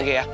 nih gue ya